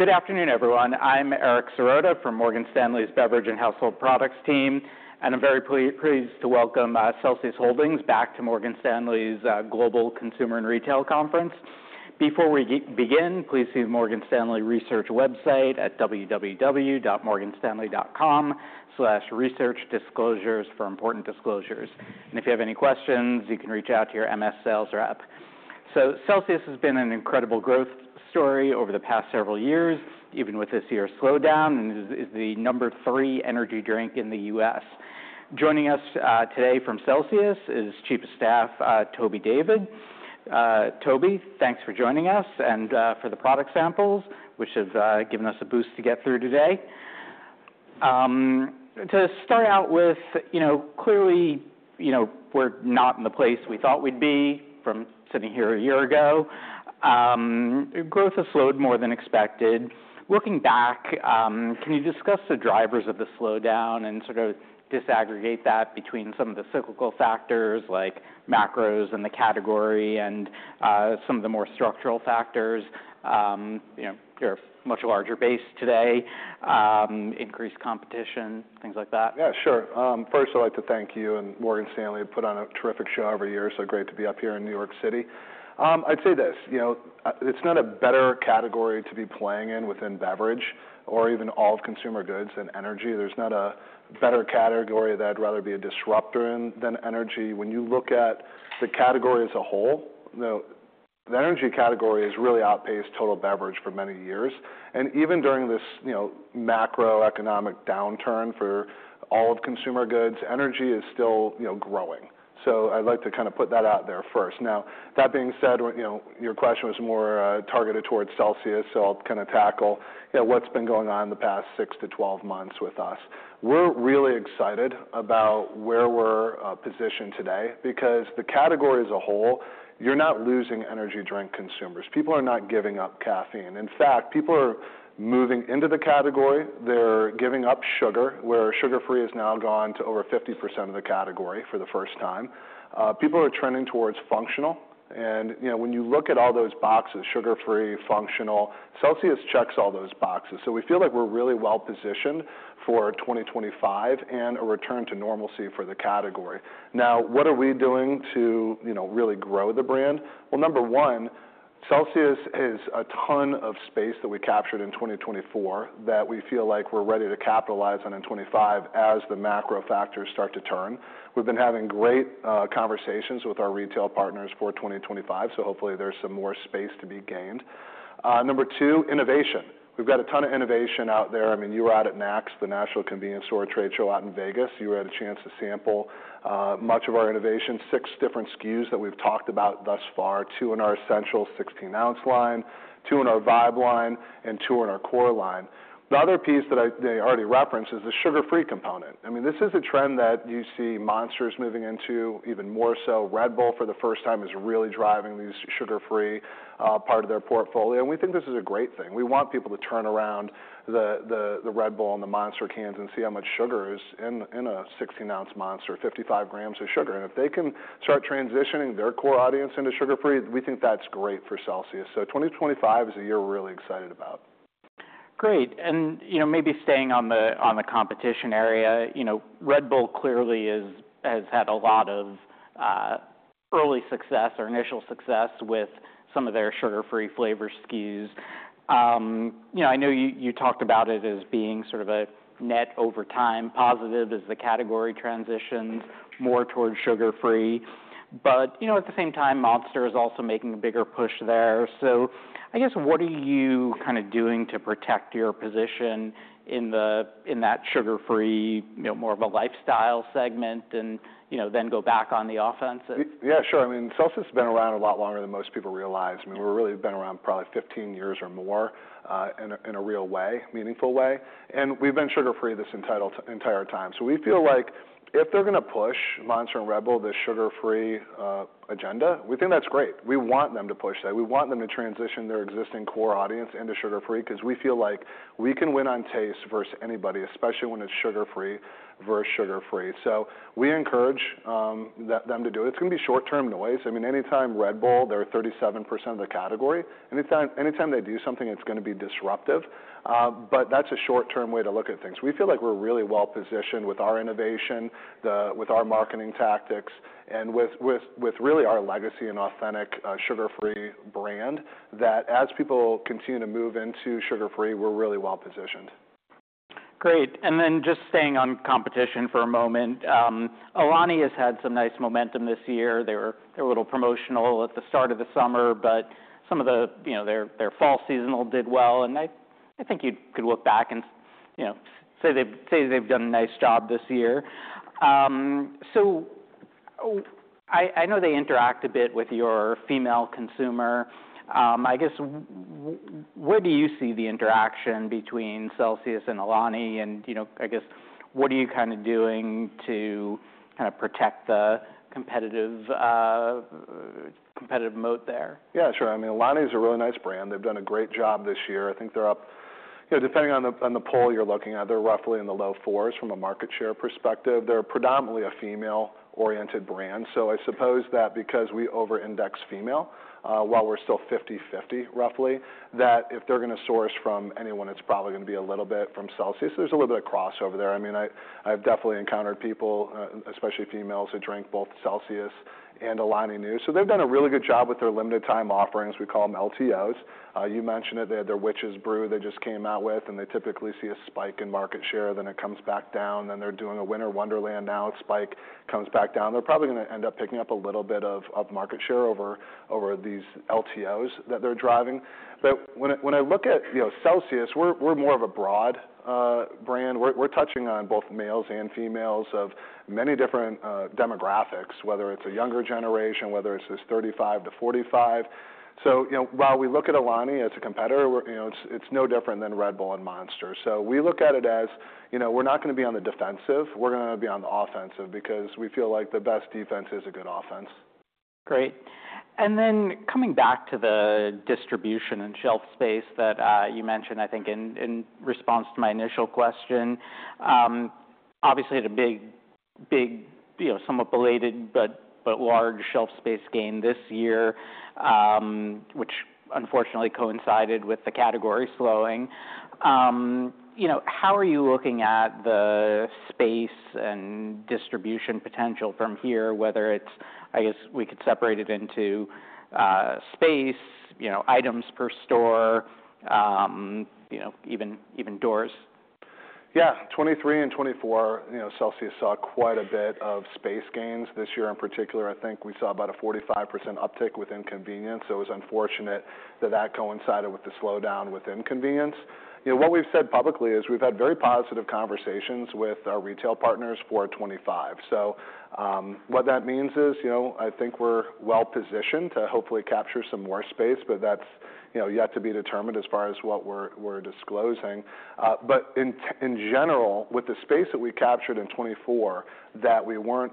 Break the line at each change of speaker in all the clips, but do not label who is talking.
Good afternoon, everyone. I'm Eric Serotta from Morgan Stanley's Beverage and Household Products team, and I'm very pleased to welcome Celsius Holdings back to Morgan Stanley's Global Consumer and Retail Conference. Before we begin, please see the Morgan Stanley Research website at www.morganstanley.com/researchdisclosures for important disclosures. And if you have any questions, you can reach out to your MS sales rep. So Celsius has been an incredible growth story over the past several years, even with this year's slowdown, and is the number three energy drink in the U.S. Joining us today from Celsius is Chief of Staff Toby David. Toby, thanks for joining us and for the product samples, which have given us a boost to get through today. To start out with, you know clearly, you know we're not in the place we thought we'd be from sitting here a year ago. Growth has slowed more than expected. Looking back, can you discuss the drivers of the slowdown and sort of disaggregate that between some of the cyclical factors like macros and the category and some of the more structural factors? You're a much larger base today. Increased competition, things like that.
Yeah, sure. First, I'd like to thank you and Morgan Stanley. You put on a terrific show every year, so great to be up here in New York City. I'd say this: it's not a better category to be playing in within beverage or even all of consumer goods than energy. There's not a better category that I'd rather be a disruptor in than energy. When you look at the category as a whole, the energy category has really outpaced total beverage for many years, and even during this macroeconomic downturn for all of consumer goods, energy is still growing, so I'd like to kind of put that out there first. Now, that being said, your question was more targeted towards Celsius, so I'll kind of tackle what's been going on in the past six to 12 months with us. We're really excited about where we're positioned today because the category as a whole, you're not losing energy drink consumers. People are not giving up caffeine. In fact, people are moving into the category. They're giving up sugar, where sugar-free has now gone to over 50% of the category for the first time. People are trending towards functional. And when you look at all those boxes, sugar-free, functional, Celsius checks all those boxes. So we feel like we're really well positioned for 2025 and a return to normalcy for the category. Now, what are we doing to really grow the brand? Well, number one, Celsius has a ton of space that we captured in 2024 that we feel like we're ready to capitalize on in 2025 as the macro factors start to turn. We've been having great conversations with our retail partners for 2025, so hopefully there's some more space to be gained. Number two, innovation. We've got a ton of innovation out there. I mean, you were at NACS, the National Association of Convenience Stores trade show out in Vegas. You had a chance to sample much of our innovation, six different SKUs that we've talked about thus far, two in our Essentials 16-ounce line, two in our Vibe line, and two in our Core line. The other piece that I already referenced is the sugar-free component. I mean, this is a trend that you see Monster's moving into, even more so. Red Bull, for the first time, is really driving this sugar-free part of their portfolio. And we think this is a great thing. We want people to turn around the Red Bull and the Monster cans and see how much sugar is in a 16-ounce Monster, 55 grams of sugar. And if they can start transitioning their core audience into sugar-free, we think that's great for Celsius. So 2025 is a year we're really excited about.
Great. And maybe staying on the competition area, Red Bull clearly has had a lot of early success or initial success with some of their sugar-free flavor SKUs. I know you talked about it as being sort of a net over time positive as the category transitions more towards sugar-free. But at the same time, Monster is also making a bigger push there. So I guess, what are you kind of doing to protect your position in that sugar-free, more of a lifestyle segment, and then go back on the offensive?
Yeah, sure. I mean, Celsius has been around a lot longer than most people realize. I mean, we've really been around probably 15 years or more in a real way, meaningful way, and we've been sugar-free this entire time, so we feel like if they're going to push Monster and Red Bull this sugar-free agenda, we think that's great. We want them to push that. We want them to transition their existing core audience into sugar-free because we feel like we can win on taste versus anybody, especially when it's sugar-free versus sugar-free, so we encourage them to do it. It's going to be short-term noise. I mean, anytime Red Bull, they're 37% of the category. Anytime they do something, it's going to be disruptive, but that's a short-term way to look at things. We feel like we're really well positioned with our innovation, with our marketing tactics, and with really our legacy and authentic sugar-free brand that as people continue to move into sugar-free, we're really well positioned.
Great. And then just staying on competition for a moment, Alani has had some nice momentum this year. They were a little promotional at the start of the summer, but some of their fall seasonal did well. And I think you could look back and say they've done a nice job this year. So I know they interact a bit with your female consumer. I guess, where do you see the interaction between Celsius and Alani? And I guess, what are you kind of doing to kind of protect the competitive moat there?
Yeah, sure. I mean, Alani is a really nice brand. They've done a great job this year. I think they're up, depending on the poll you're looking at, they're roughly in the low fours from a market share perspective. They're predominantly a female-oriented brand. So I suppose that because we over-index female while we're still 50/50 roughly, that if they're going to source from anyone, it's probably going to be a little bit from Celsius. There's a little bit of crossover there. I mean, I've definitely encountered people, especially females, who drink both Celsius and Alani Nus. So they've done a really good job with their limited-time offerings. We call them LTOs. You mentioned it. They had their Witch's Brew they just came out with, and they typically see a spike in market share. Then it comes back down. Then they're doing a Winter Wonderland now. It spikes, comes back down. They're probably going to end up picking up a little bit of market share over these LTOs that they're driving. But when I look at Celsius, we're more of a broad brand. We're touching on both males and females of many different demographics, whether it's a younger generation, whether it's this 35 to 45. So while we look at Alani as a competitor, it's no different than Red Bull and Monsters. So we look at it as we're not going to be on the defensive. We're going to be on the offensive because we feel like the best defense is a good offense.
Great. And then coming back to the distribution and shelf space that you mentioned, I think in response to my initial question, obviously had a big, somewhat belated but large shelf space gain this year, which unfortunately coincided with the category slowing. How are you looking at the space and distribution potential from here, whether it's, I guess we could separate it into space, items per store, even doors?
Yeah, 2023 and 2024, Celsius saw quite a bit of space gains. This year in particular, I think we saw about a 45% uptick within convenience. So it was unfortunate that that coincided with the slowdown within convenience. What we've said publicly is we've had very positive conversations with our retail partners for 2025. So what that means is I think we're well positioned to hopefully capture some more space, but that's yet to be determined as far as what we're disclosing. But in general, with the space that we captured in 2024 that we weren't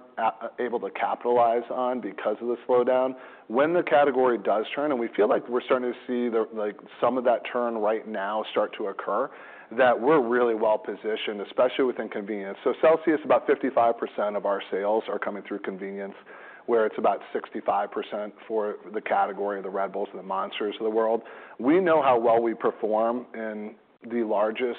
able to capitalize on because of the slowdown, when the category does turn, and we feel like we're starting to see some of that turn right now start to occur, that we're really well positioned, especially within convenience. So Celsius, about 55% of our sales are coming through convenience, where it's about 65% for the category of the Red Bulls and the Monsters of the world. We know how well we perform in the largest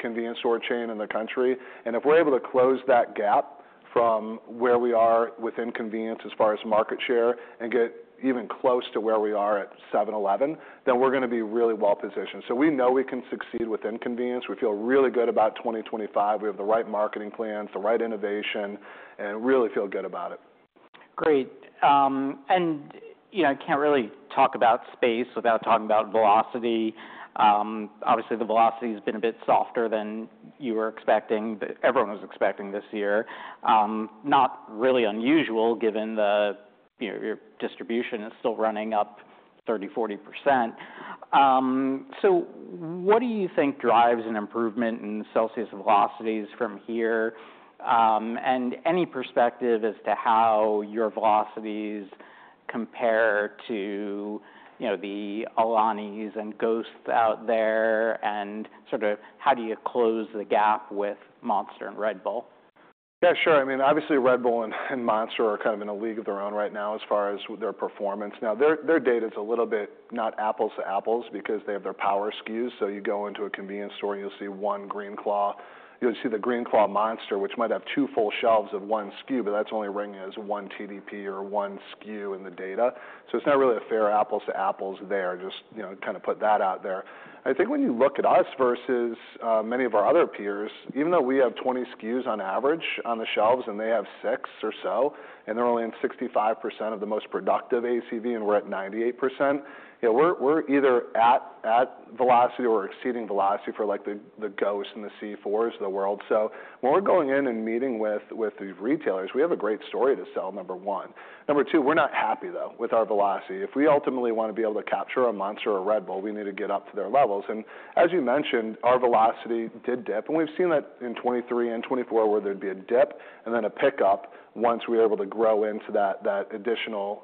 convenience store chain in the country. And if we're able to close that gap from where we are within convenience as far as market share and get even close to where we are at 7-Eleven, then we're going to be really well positioned. So we know we can succeed within convenience. We feel really good about 2025. We have the right marketing plans, the right innovation, and really feel good about it.
Great. And I can't really talk about space without talking about velocity. Obviously, the velocity has been a bit softer than you were expecting, but everyone was expecting this year. Not really unusual given your distribution is still running up 30%-40%. So what do you think drives an improvement in Celsius velocities from here? And any perspective as to how your velocities compare to the Alani's and Ghost's out there? And sort of how do you close the gap with Monster and Red Bull?
Yeah, sure. I mean, obviously, Red Bull and Monster are kind of in a league of their own right now as far as their performance. Now, their data is a little bit not apples to apples because they have their power SKUs. So you go into a convenience store, you'll see one Green Claw. You'll see the Green Claw Monster, which might have two full shelves of one SKU, but that's only ringing as one TDP or one SKU in the data. So it's not really a fair apples to apples there. Just kind of put that out there. I think when you look at us versus many of our other peers, even though we have 20 SKUs on average on the shelves and they have six or so, and they're only in 65% of the most productive ACV and we're at 98%, we're either at velocity or exceeding velocity for the Ghost and the C4s of the world. So when we're going in and meeting with the retailers, we have a great story to sell, number one. Number two, we're not happy, though, with our velocity. If we ultimately want to be able to capture a Monster or a Red Bull, we need to get up to their levels. And as you mentioned, our velocity did dip. And we've seen that in 2023 and 2024 where there'd be a dip and then a pickup once we were able to grow into that additional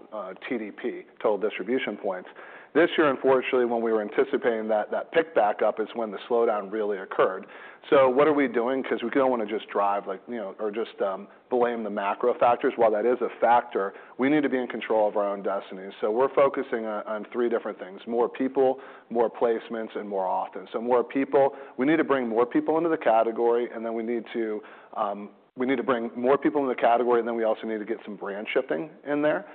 TDP, total distribution points. This year, unfortunately, when we were anticipating that pick-up back up is when the slowdown really occurred, so what are we doing? Because we don't want to just dwell on or just blame the macro factors while that is a factor. We need to be in control of our own destiny, so we're focusing on three different things: more people, more placements, and more often, so more people, we need to bring more people into the category, and then we also need to get some brand switching in there.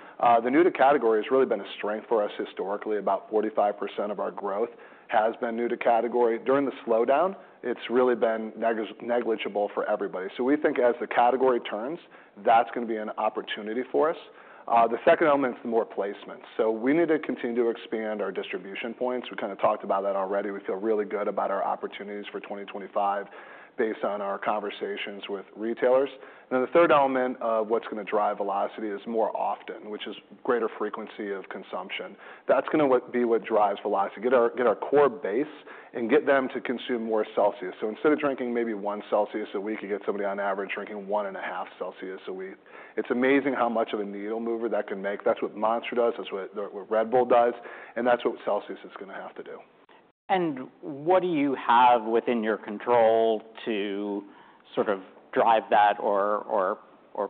The new-to-category has really been a strength for us historically. About 45% of our growth has been new-to-category. During the slowdown, it's really been negligible for everybody, so we think as the category turns, that's going to be an opportunity for us. The second element is the more placements. So we need to continue to expand our distribution points. We kind of talked about that already. We feel really good about our opportunities for 2025 based on our conversations with retailers. And then the third element of what's going to drive velocity is more often, which is greater frequency of consumption. That's going to be what drives velocity. Get our core base and get them to consume more Celsius. So instead of drinking maybe one Celsius a week, you get somebody on average drinking one and a half Celsius a week. It's amazing how much of a needle mover that can make. That's what Monster does. That's what Red Bull does. And that's what Celsius is going to have to do.
And what do you have within your control to sort of drive that or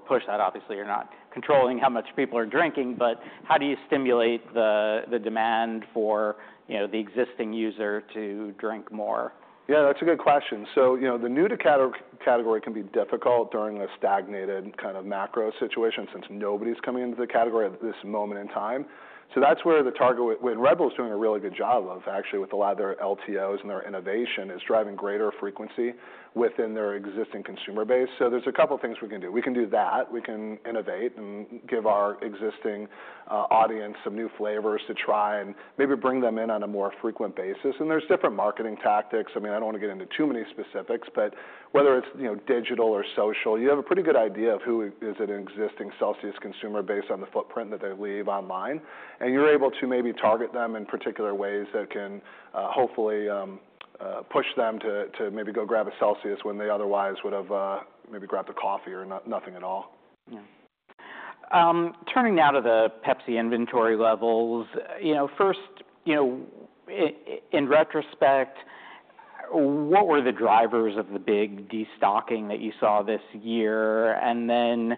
push that? Obviously, you're not controlling how much people are drinking, but how do you stimulate the demand for the existing user to drink more?
Yeah, that's a good question. So the new-to-category can be difficult during a stagnated kind of macro situation since nobody's coming into the category at this moment in time. So that's where the target, and Red Bull's doing a really good job of actually with a lot of their LTOs and their innovation is driving greater frequency within their existing consumer base. So there's a couple of things we can do. We can do that. We can innovate and give our existing audience some new flavors to try and maybe bring them in on a more frequent basis, and there's different marketing tactics. I mean, I don't want to get into too many specifics, but whether it's digital or social, you have a pretty good idea of who is an existing Celsius consumer based on the footprint that they leave online. You're able to maybe target them in particular ways that can hopefully push them to maybe go grab a Celsius when they otherwise would have maybe grabbed a coffee or nothing at all.
Turning now to the Pepsi inventory levels. First, in retrospect, what were the drivers of the big destocking that you saw this year? And then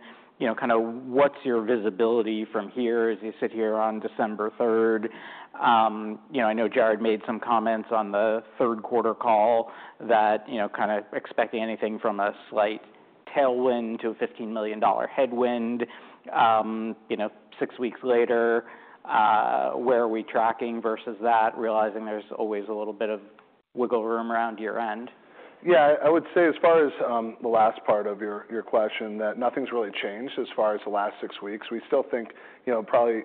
kind of what's your visibility from here as you sit here on December 3rd? I know Jarrod made some comments on the Q3 call that kind of expecting anything from a slight tailwind to a $15 million headwind six weeks later. Where are we tracking versus that, realizing there's always a little bit of wiggle room around year-end?
Yeah, I would say as far as the last part of your question, that nothing's really changed as far as the last six weeks. We still think probably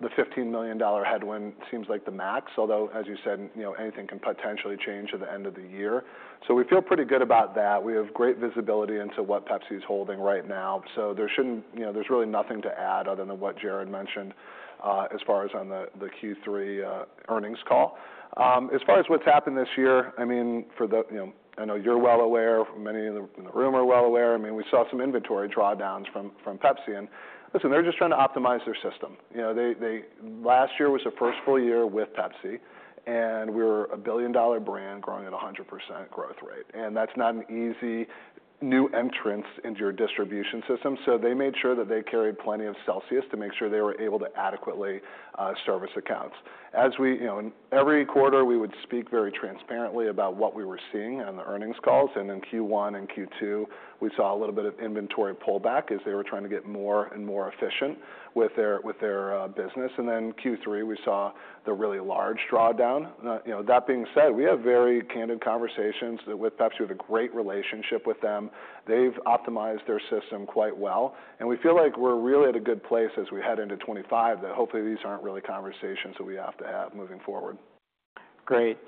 the $15 million headwind seems like the max, although, as you said, anything can potentially change at the end of the year. So we feel pretty good about that. We have great visibility into what Pepsi's holding right now. So there's really nothing to add other than what Jarrod mentioned as far as on the Q3 earnings call. As far as what's happened this year, I mean, I know you're well aware. Many in the room are well aware. I mean, we saw some inventory drawdowns from Pepsi. And listen, they're just trying to optimize their system. Last year was the first full year with Pepsi, and we were a billion-dollar brand growing at 100% growth rate. And that's not an easy new entrant into your distribution system. So they made sure that they carried plenty of Celsius to make sure they were able to adequately service accounts. Every quarter, we would speak very transparently about what we were seeing on the earnings calls. And in Q1 and Q2, we saw a little bit of inventory pullback as they were trying to get more and more efficient with their business. And then Q3, we saw the really large drawdown. That being said, we have very candid conversations with Pepsi. We have a great relationship with them. They've optimized their system quite well. And we feel like we're really at a good place as we head into 2025 that hopefully these aren't really conversations that we have to have moving forward.
Great.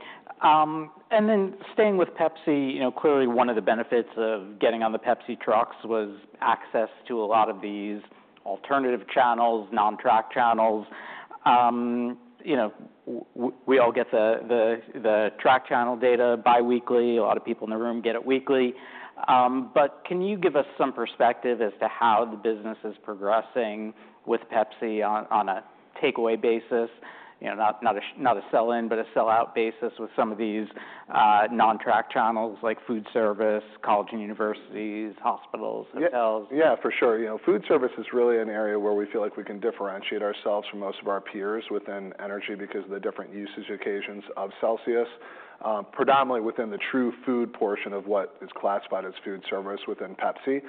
And then staying with Pepsi, clearly one of the benefits of getting on the Pepsi trucks was access to a lot of these alternative channels, non-track channels. We all get the track channel data biweekly. A lot of people in the room get it weekly. But can you give us some perspective as to how the business is progressing with Pepsi on a takeaway basis, not a sell-in, but a sell-out basis with some of these non-track channels like food service, college and universities, hospitals, hotels?
Yeah, for sure. Food service is really an area where we feel like we can differentiate ourselves from most of our peers within energy because of the different usage occasions of Celsius, predominantly within the true food portion of what is classified as food service within Pepsi.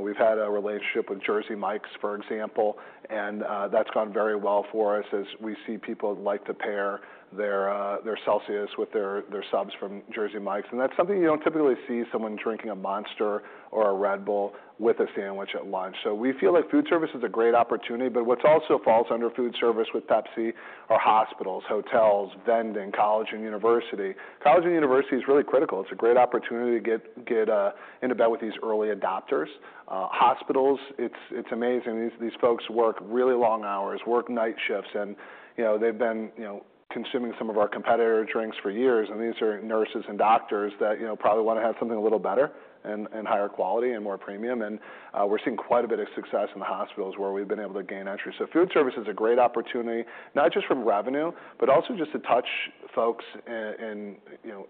We've had a relationship with Jersey Mike's, for example, and that's gone very well for us as we see people like to pair their Celsius with their subs from Jersey Mike's. And that's something you don't typically see someone drinking a Monster or a Red Bull with a sandwich at lunch. So we feel like food service is a great opportunity. But what also falls under food service with Pepsi are hospitals, hotels, vending, college and university. College and university is really critical. It's a great opportunity to get into bed with these early adopters. Hospitals, it's amazing. These folks work really long hours, work night shifts, and they've been consuming some of our competitor drinks for years, and these are nurses and doctors that probably want to have something a little better and higher quality and more premium, and we're seeing quite a bit of success in the hospitals where we've been able to gain entry, so food service is a great opportunity, not just from revenue, but also just to touch folks in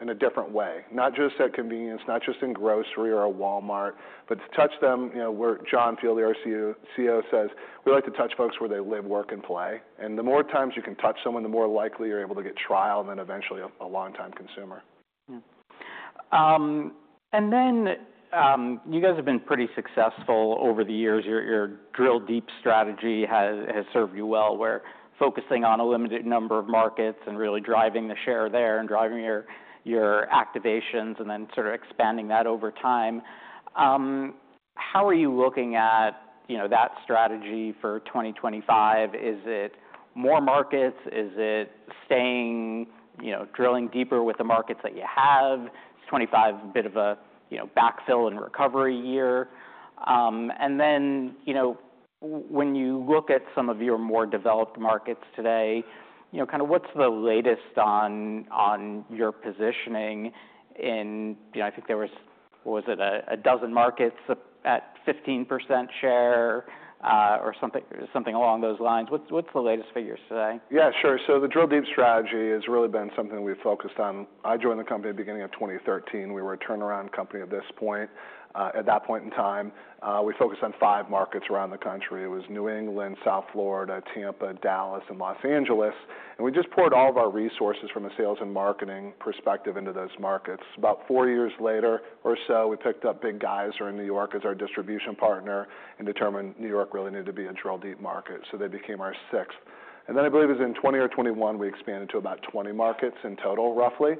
a different way. Not just at convenience, not just in grocery or a Walmart, but to touch them where John Fieldly, our CEO, says, "We like to touch folks where they live, work, and play," and the more times you can touch someone, the more likely you're able to get trial and then eventually a long-time consumer.
And then you guys have been pretty successful over the years. Your Drill Deep strategy has served you well, where focusing on a limited number of markets and really driving the share there and driving your activations and then sort of expanding that over time. How are you looking at that strategy for 2025? Is it more markets? Is it staying, drilling deeper with the markets that you have? Is 2025 a bit of a backfill and recovery year? And then when you look at some of your more developed markets today, kind of what's the latest on your positioning in, I think there was, what was it, a dozen markets at 15% share or something along those lines? What's the latest figures today?
Yeah, sure. So the Drill-deep Strategy has really been something we've focused on. I joined the company at the beginning of 2013. We were a turnaround company at that point in time. We focused on five markets around the country. It was New England, South Florida, Tampa, Dallas, and Los Angeles. And we just poured all of our resources from a sales and marketing perspective into those markets. About four years later or so, we picked up Big Geyser in New York as our distribution partner and determined New York really needed to be a Drill-deep market. So they became our sixth. And then I believe it was in 2020 or 2021, we expanded to about 20 markets in total, roughly.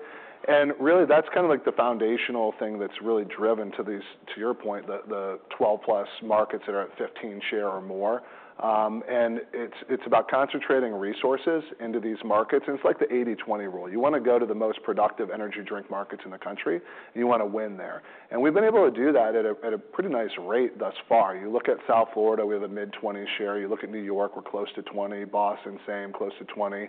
And really, that's kind of like the foundational thing that's really driven to your point, the 12-plus markets that are at 15% share or more. It's about concentrating resources into these markets. It's like the 80/20 rule. You want to go to the most productive energy drink markets in the country, and you want to win there. We've been able to do that at a pretty nice rate thus far. You look at South Florida, we have a mid-20% share. You look at New York, we're close to 20%. Boston, same, close to 20%.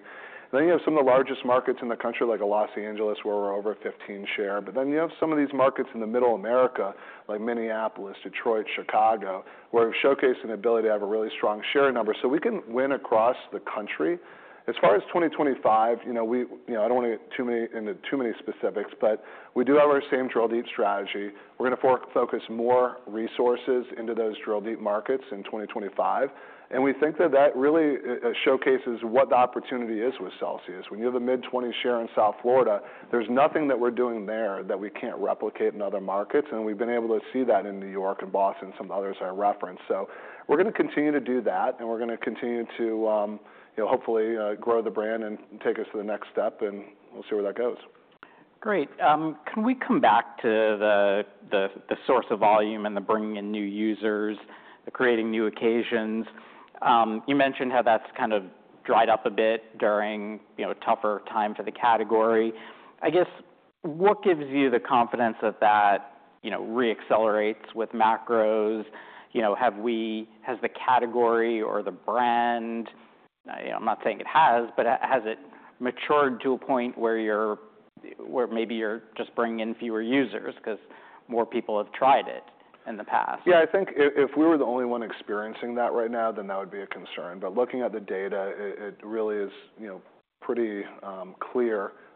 You have some of the largest markets in the country, like Los Angeles, where we're over 15% share. You have some of these markets in the middle of America, like Minneapolis, Detroit, Chicago, where we've showcased an ability to have a really strong share number. We can win across the country. As far as 2025, I don't want to get too many into too many specifics, but we do have our same drill-deep strategy. We're going to focus more resources into those drill-deep markets in 2025. And we think that that really showcases what the opportunity is with Celsius. When you have a mid-20% share in South Florida, there's nothing that we're doing there that we can't replicate in other markets. And we've been able to see that in New York and Boston, some others I referenced. So we're going to continue to do that, and we're going to continue to hopefully grow the brand and take us to the next step, and we'll see where that goes.
Great. Can we come back to the source of volume and the bringing in new users, the creating new occasions? You mentioned how that's kind of dried up a bit during a tougher time for the category. I guess, what gives you the confidence that that re-accelerates with macros? Has the category or the brand, I'm not saying it has, but has it matured to a point where maybe you're just bringing in fewer users because more people have tried it in the past?
Yeah, I think if we were the only one experiencing that right now, then that would be a concern. But looking at the data, it really is pretty clear that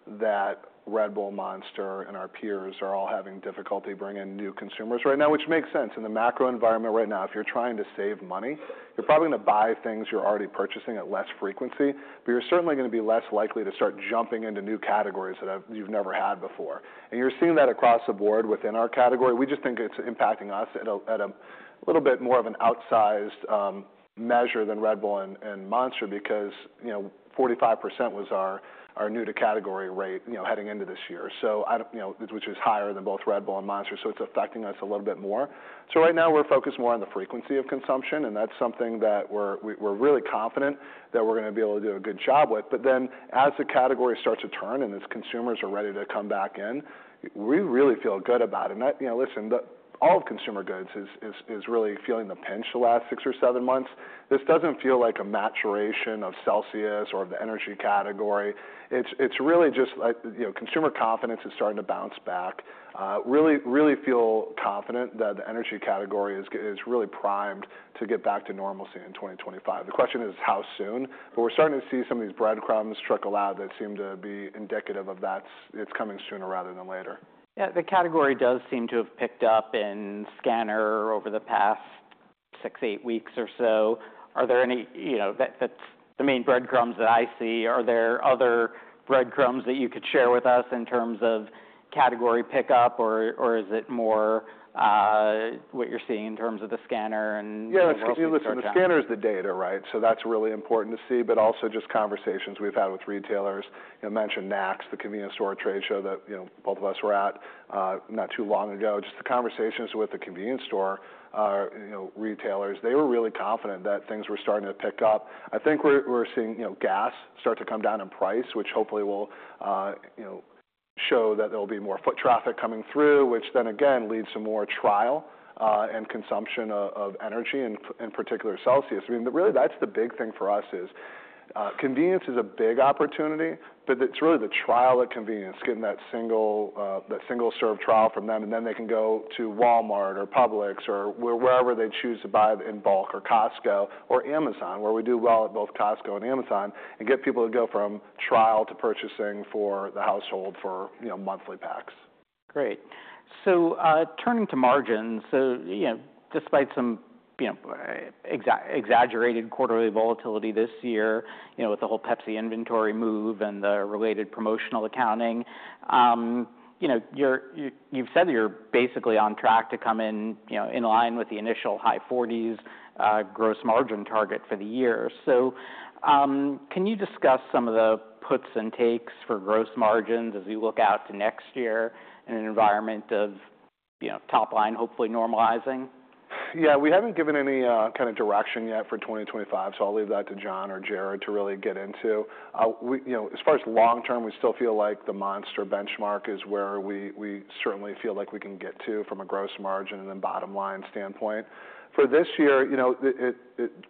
Red Bull, Monster, and our peers are all having difficulty bringing in new consumers right now, which makes sense. In the macro environment right now, if you're trying to save money, you're probably going to buy things you're already purchasing at less frequency, but you're certainly going to be less likely to start jumping into new categories that you've never had before. And you're seeing that across the board within our category. We just think it's impacting us at a little bit more of an outsized measure than Red Bull and Monster because 45% was our new-to-category rate heading into this year, which is higher than both Red Bull and Monster. So it's affecting us a little bit more. So right now, we're focused more on the frequency of consumption, and that's something that we're really confident that we're going to be able to do a good job with. But then as the category starts to turn and as consumers are ready to come back in, we really feel good about it. And listen, all of consumer goods is really feeling the pinch the last six or seven months. This doesn't feel like a maturation of Celsius or of the energy category. It's really just consumer confidence is starting to bounce back. Really feel confident that the energy category is really primed to get back to normalcy in 2025. The question is how soon, but we're starting to see some of these breadcrumbs trickle out that seem to be indicative of that it's coming sooner rather than later.
Yeah, the category does seem to have picked up in scanner over the past six, eight weeks or so. Are there any? That's the main breadcrumbs that I see. Are there other breadcrumbs that you could share with us in terms of category pickup, or is it more what you're seeing in terms of the scanner and the trends?
Yeah, because listen, the scanner is the data, right? So that's really important to see, but also just conversations we've had with retailers. You mentioned NACS, the convenience store trade show that both of us were at not too long ago. Just the conversations with the convenience store retailers, they were really confident that things were starting to pick up. I think we're seeing gas start to come down in price, which hopefully will show that there'll be more foot traffic coming through, which then again leads to more trial and consumption of energy, in particular Celsius. I mean, really that's the big thing for us is convenience is a big opportunity, but it's really the trial at convenience, getting that single serve trial from them, and then they can go to Walmart or Publix or wherever they choose to buy in bulk or Costco or Amazon, where we do well at both Costco and Amazon, and get people to go from trial to purchasing for the household for monthly packs.
Great. So turning to margins, so despite some exaggerated quarterly volatility this year with the whole Pepsi inventory move and the related promotional accounting, you've said that you're basically on track to come in line with the initial high 40s gross margin target for the year. So can you discuss some of the puts and takes for gross margins as we look out to next year in an environment of top line hopefully normalizing?
Yeah, we haven't given any kind of direction yet for 2025, so I'll leave that to John or Jarrod to really get into. As far as long term, we still feel like the Monster benchmark is where we certainly feel like we can get to from a gross margin and then bottom line standpoint. For this year,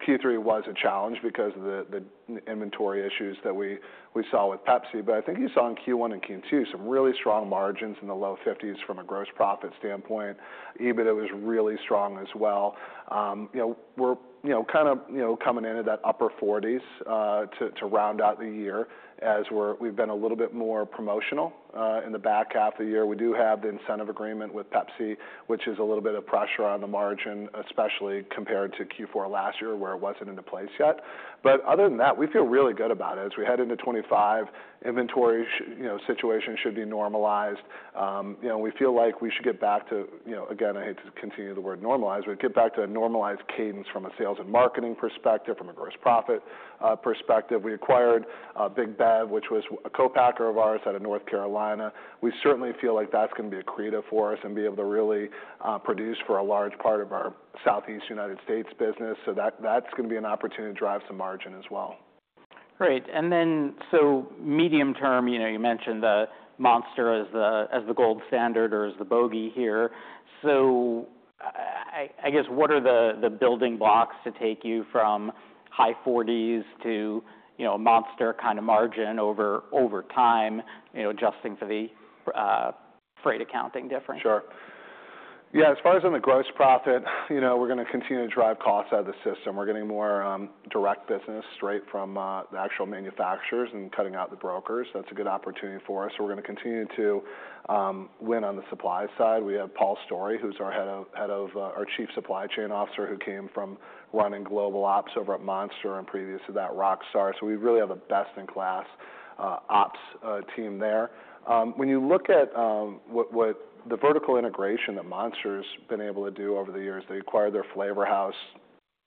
Q3 was a challenge because of the inventory issues that we saw with Pepsi, but I think you saw in Q1 and Q2 some really strong margins in the low 50s% from a gross profit standpoint. EBITDA was really strong as well. We're kind of coming into that upper 40s% to round out the year as we've been a little bit more promotional in the back half of the year. We do have the incentive agreement with Pepsi, which is a little bit of pressure on the margin, especially compared to Q4 last year where it wasn't in place yet. But other than that, we feel really good about it. As we head into 2025, inventory situation should be normalized. We feel like we should get back to, again, I hate to continue the word normalize, but get back to a normalized cadence from a sales and marketing perspective, from a gross profit perspective. We acquired Big Bev, which was a co-packer of ours out of North Carolina. We certainly feel like that's going to be accretive for us and be able to really produce for a large part of our Southeast United States business. So that's going to be an opportunity to drive some margin as well.
Great. And then so medium term, you mentioned the Monster as the gold standard or as the bogey here. So I guess, what are the building blocks to take you from high 40s to Monster kind of margin over time, adjusting for the freight accounting difference?
Sure. Yeah, as far as in the gross profit, we're going to continue to drive costs out of the system. We're getting more direct business straight from the actual manufacturers and cutting out the brokers. That's a good opportunity for us. So we're going to continue to win on the supply side. We have Paul Storey, who's our Chief Supply Chain Officer, who came from running global ops over at Monster and previous to that Rockstar. So we really have a best-in-class ops team there. When you look at the vertical integration that Monster's been able to do over the years, they acquired their flavor house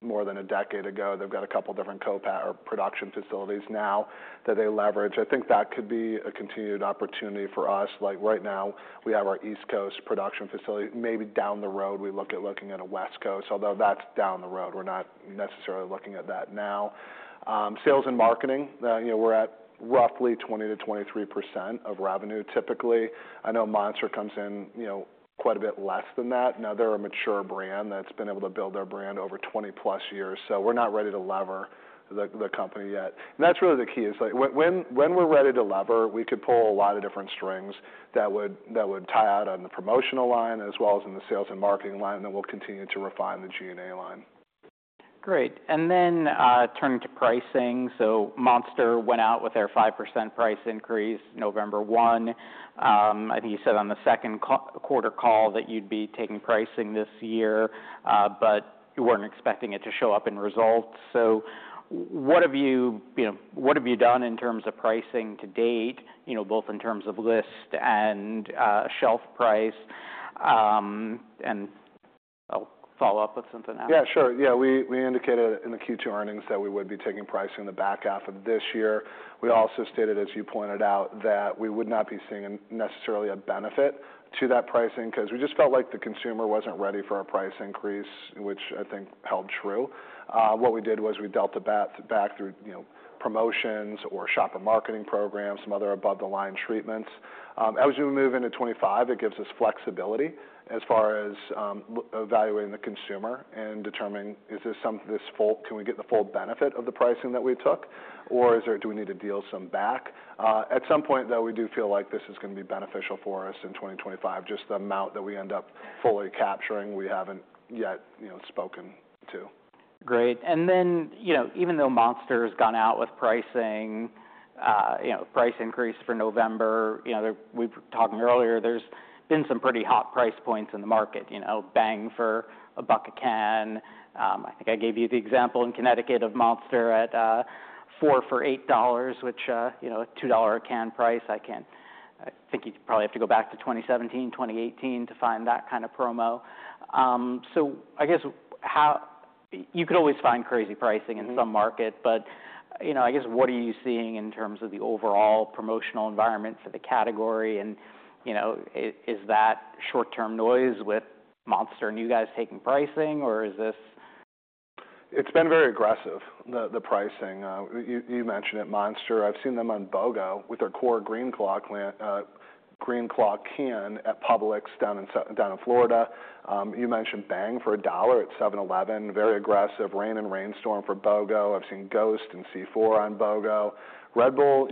more than a decade ago. They've got a couple of different co-packer production facilities now that they leverage. I think that could be a continued opportunity for us. Like right now, we have our East Coast production facility. Maybe down the road, we look at looking at a West Coast, although that's down the road. We're not necessarily looking at that now. Sales and marketing, we're at roughly 20%-23% of revenue typically. I know Monster comes in quite a bit less than that. Now they're a mature brand that's been able to build their brand over 20-plus years. So we're not ready to lever the company yet. And that's really the key. When we're ready to lever, we could pull a lot of different strings that would tie out on the promotional line as well as in the sales and marketing line, and then we'll continue to refine the G&A line.
Great. And then turning to pricing, so Monster went out with their 5% price increase November 1. I think you said on the Q2 call that you'd be taking pricing this year, but you weren't expecting it to show up in results. So what have you done in terms of pricing to date, both in terms of list and shelf price? And I'll follow up with something else.
Yeah, sure. Yeah, we indicated in the Q2 earnings that we would be taking pricing in the back half of this year. We also stated, as you pointed out, that we would not be seeing necessarily a benefit to that pricing because we just felt like the consumer wasn't ready for a price increase, which I think held true. What we did was we dealt it back through promotions or shopper marketing programs, some other above-the-line treatments. As we move into 2025, it gives us flexibility as far as evaluating the consumer and determining, is the full, can we get the full benefit of the pricing that we took, or do we need to deal some back? At some point, though, we do feel like this is going to be beneficial for us in 2025. Just the amount that we end up fully capturing, we haven't yet spoken to.
Great. And then even though Monster has gone out with pricing, price increase for November, we were talking earlier, there's been some pretty hot price points in the market, bang for a buck a can. I think I gave you the example in Connecticut of Monster at four for $8, which a $2 a can price. I think you'd probably have to go back to 2017, 2018 to find that kind of promo. So I guess you could always find crazy pricing in some market, but I guess, what are you seeing in terms of the overall promotional environment for the category? And is that short-term noise with Monster and you guys taking pricing, or is this?
It's been very aggressive, the pricing. You mentioned it, Monster. I've seen them on BOGO with their core green claw can at Publix down in Florida. You mentioned Bang for a dollar at 7-Eleven, very aggressive Reign and Reign Storm for BOGO. I've seen Ghost and C4 on BOGO. Red Bull,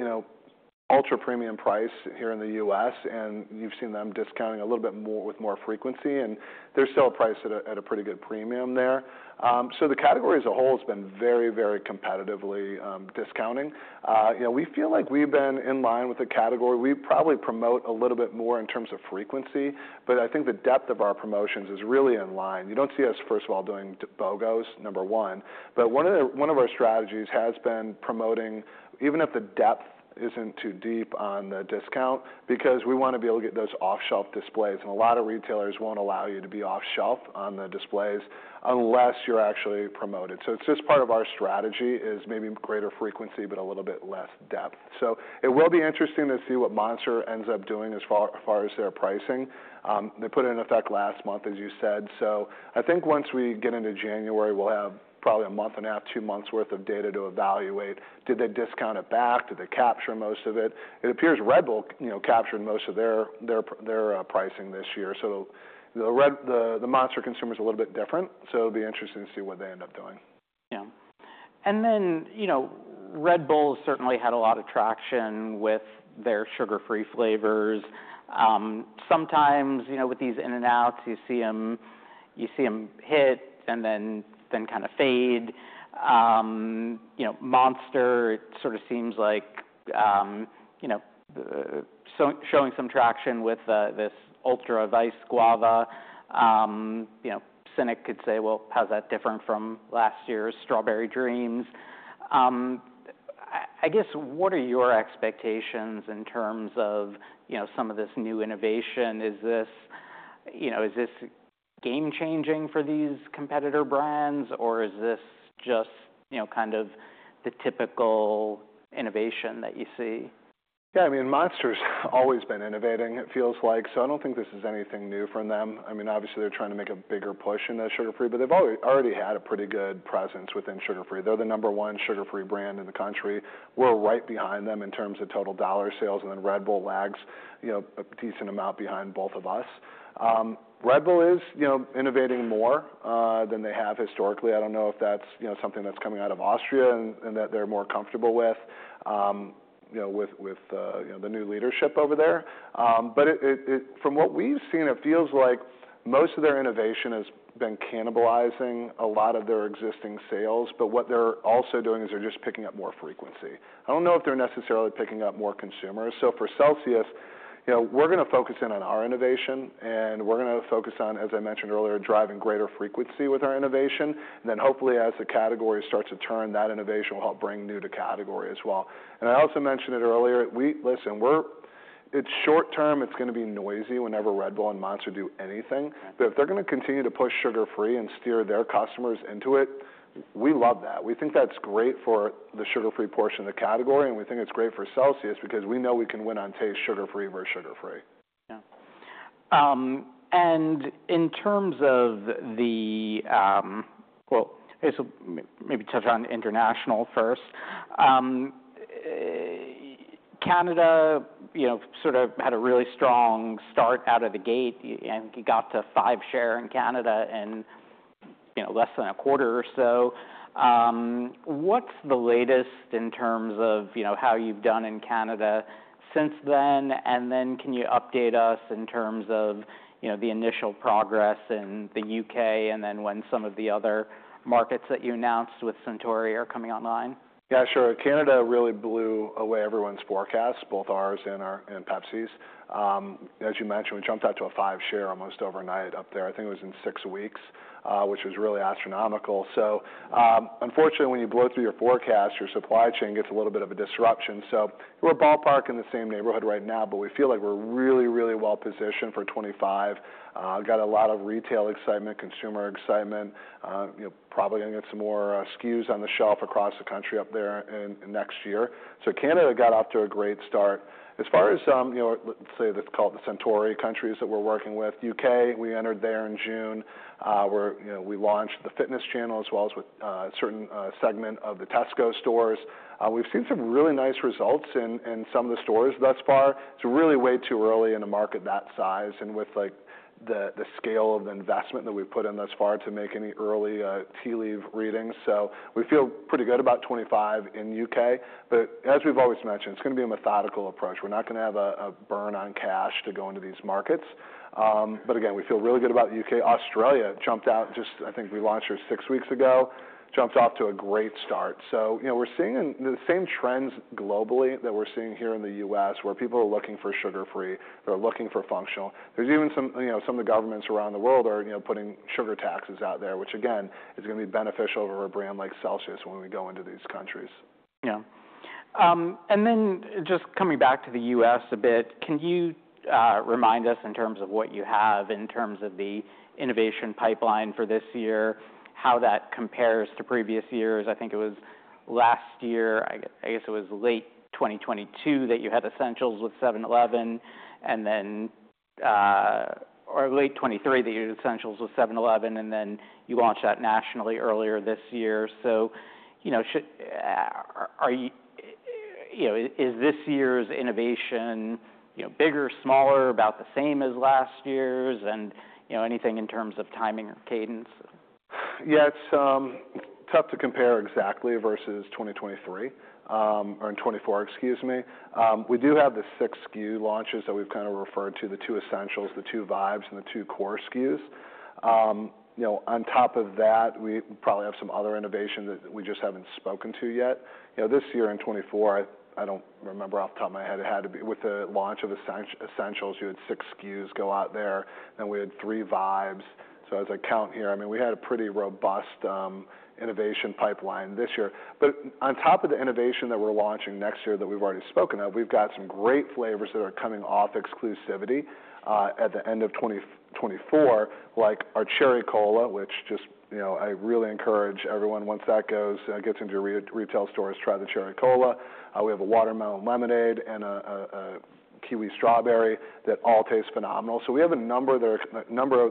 ultra premium price here in the U.S., and you've seen them discounting a little bit more with more frequency, and they're still priced at a pretty good premium there. So the category as a whole has been very, very competitively discounting. We feel like we've been in line with the category. We probably promote a little bit more in terms of frequency, but I think the depth of our promotions is really in line. You don't see us, first of all, doing BOGOs, number one, but one of our strategies has been promoting, even if the depth isn't too deep on the discount, because we want to be able to get those off-shelf displays, and a lot of retailers won't allow you to be off-shelf on the displays unless you're actually promoted, so it's just part of our strategy is maybe greater frequency, but a little bit less depth. So it will be interesting to see what Monster ends up doing as far as their pricing. They put it in effect last month, as you said. So I think once we get into January, we'll have probably a month and a half, two months' worth of data to evaluate. Did they discount it back? Did they capture most of it? It appears Red Bull captured most of their pricing this year. So the Monster consumer is a little bit different. So it'll be interesting to see what they end up doing.
Yeah. And then Red Bull has certainly had a lot of traction with their sugar-free flavors. Sometimes with these in and outs, you see them hit and then kind of fade. Monster sort of seems like showing some traction with this Ultra Vice Guava. A cynic could say, well, how's that different from last year's Strawberry Dreams? I guess, what are your expectations in terms of some of this new innovation? Is this game-changing for these competitor brands, or is this just kind of the typical innovation that you see?
Yeah, I mean, Monster's always been innovating, it feels like. So I don't think this is anything new from them. I mean, obviously, they're trying to make a bigger push in the sugar-free, but they've already had a pretty good presence within sugar-free. They're the number one sugar-free brand in the country. We're right behind them in terms of total dollar sales, and then Red Bull lags a decent amount behind both of us. Red Bull is innovating more than they have historically. I don't know if that's something that's coming out of Austria and that they're more comfortable with with the new leadership over there. But from what we've seen, it feels like most of their innovation has been cannibalizing a lot of their existing sales, but what they're also doing is they're just picking up more frequency. I don't know if they're necessarily picking up more consumers. So for Celsius, we're going to focus in on our innovation, and we're going to focus on, as I mentioned earlier, driving greater frequency with our innovation. And then hopefully, as the category starts to turn, that innovation will help bring new to category as well. And I also mentioned it earlier. Listen, it's short term, it's going to be noisy whenever Red Bull and Monster do anything, but if they're going to continue to push sugar-free and steer their customers into it, we love that. We think that's great for the sugar-free portion of the category, and we think it's great for Celsius because we know we can win on taste sugar-free versus sugar-free.
Yeah. And in terms of the, well, maybe touch on international first. Canada sort of had a really strong start out of the gate. I think you got to 5% share in Canada in less than a quarter or so. What's the latest in terms of how you've done in Canada since then? And then can you update us in terms of the initial progress in the UK and then when some of the other markets that you announced with Suntory are coming online?
Yeah, sure. Canada really blew away everyone's forecasts, both ours and Pepsi's. As you mentioned, we jumped out to a 5% share almost overnight up there. I think it was in six weeks, which was really astronomical. So unfortunately, when you blow through your forecast, your supply chain gets a little bit of a disruption. So we're ballpark in the same neighborhood right now, but we feel like we're really, really well positioned for 2025. Got a lot of retail excitement, consumer excitement. Probably going to get some more SKUs on the shelf across the country up there next year. So Canada got off to a great start. As far as, let's say, the Suntory countries that we're working with, U.K., we entered there in June. We launched the fitness channel as well as with a certain segment of the Tesco stores. We've seen some really nice results in some of the stores thus far. It's really way too early in a market that size and with the scale of the investment that we've put in thus far to make any early tea leaf readings. So we feel pretty good about 2025 in the U.K., but as we've always mentioned, it's going to be a methodical approach. We're not going to have a burn on cash to go into these markets. But again, we feel really good about the U.K. Australia jumped out just, I think we launched there six weeks ago, jumped off to a great start. So we're seeing the same trends globally that we're seeing here in the U.S. where people are looking for sugar-free. They're looking for functional. There's even some of the governments around the world are putting sugar taxes out there, which again, is going to be beneficial for a brand like Celsius when we go into these countries.
Yeah. And then just coming back to the US a bit, can you remind us in terms of what you have in terms of the innovation pipeline for this year, how that compares to previous years? I think it was last year, I guess it was late 2022 that you had Essentials with 7-Eleven and then, or late 2023 that you had Essentials with 7-Eleven and then you launched that nationally earlier this year. So is this year's innovation bigger, smaller, about the same as last year's? And anything in terms of timing or cadence?
Yeah, it's tough to compare exactly versus 2023 or 2024, excuse me. We do have the six SKU launches that we've kind of referred to, the two essentials, the two vibes, and the two core SKUs. On top of that, we probably have some other innovation that we just haven't spoken to yet. This year in 2024, I don't remember off the top of my head, it had to be with the launch of essentials, you had six SKUs go out there, then we had three vibes. So as I count here, I mean, we had a pretty robust innovation pipeline this year. On top of the innovation that we're launching next year that we've already spoken of, we've got some great flavors that are coming off exclusivity at the end of 2024, like our Cherry Cola, which, I just really encourage everyone once that gets into retail stores, try the Cherry Cola. We have a Watermelon Lemonade and a Kiwi Strawberry that all taste phenomenal. We have a number that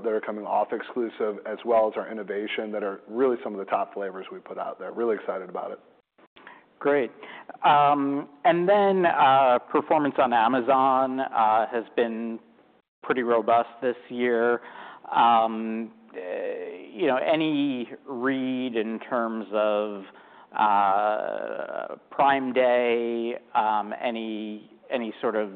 are coming off exclusive as well as our innovation that are really some of the top flavors we put out there. Really excited about it.
Great, and then performance on Amazon has been pretty robust this year. Any read in terms of Prime Day, any sort of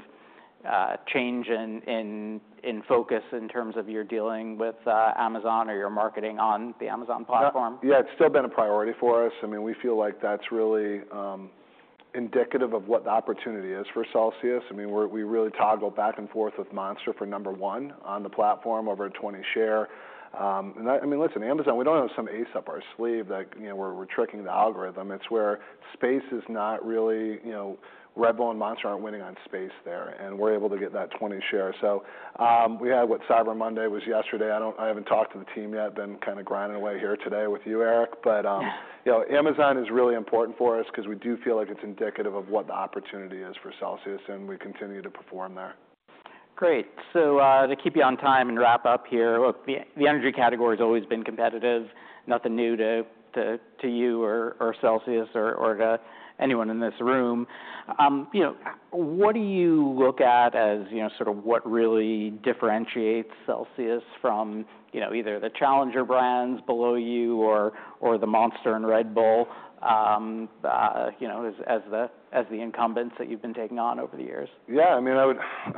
change in focus in terms of your dealing with Amazon or your marketing on the Amazon platform?
Yeah, it's still been a priority for us. I mean, we feel like that's really indicative of what the opportunity is for Celsius. I mean, we really toggle back and forth with Monster for number one on the platform over a 20% share. And I mean, listen, Amazon, we don't have some ace up our sleeve that we're tricking the algorithm. It's where space is not really, Red Bull and Monster aren't winning on space there, and we're able to get that 20% share. So we had what Cyber Monday was yesterday. I haven't talked to the team yet, been kind of grinding away here today with you, Eric, but Amazon is really important for us because we do feel like it's indicative of what the opportunity is for Celsius, and we continue to perform there.
Great. So to keep you on time and wrap up here, the energy category has always been competitive. Nothing new to you or Celsius or to anyone in this room. What do you look at as sort of what really differentiates Celsius from either the Challenger brands below you or the Monster and Red Bull as the incumbents that you've been taking on over the years?
Yeah, I mean, I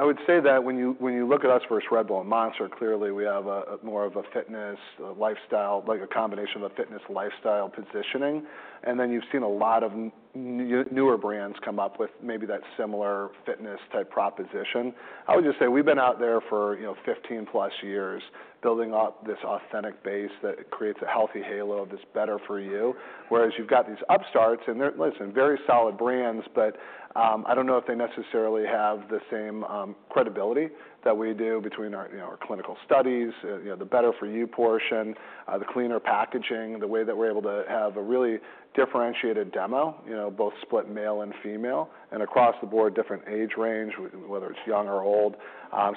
would say that when you look at us versus Red Bull and Monster, clearly we have more of a fitness lifestyle, like a combination of a fitness lifestyle positioning. And then you've seen a lot of newer brands come up with maybe that similar fitness type proposition. I would just say we've been out there for 15 plus years building up this authentic base that creates a healthy halo that's better for you, whereas you've got these upstarts and they're, listen, very solid brands, but I don't know if they necessarily have the same credibility that we do between our clinical studies, the better for you portion, the cleaner packaging, the way that we're able to have a really differentiated demo, both split male and female, and across the board, different age range, whether it's young or old.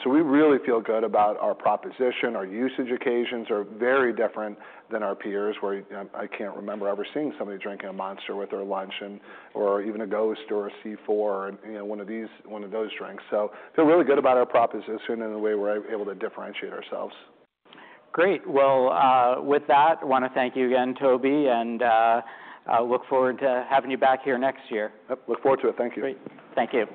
So we really feel good about our proposition. Our usage occasions are very different than our peers, where I can't remember ever seeing somebody drinking a Monster with their lunch or even a Ghost or a C4 or one of those drinks. So I feel really good about our proposition and the way we're able to differentiate ourselves.
Great. Well, with that, I want to thank you again, Toby, and look forward to having you back here next year.
Yep, look forward to it. Thank you.
Great. Thank you.